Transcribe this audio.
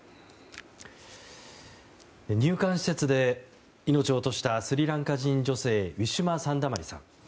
入管施設で命を落としたスリランカ女性ウィシュマ・サンダマリさん。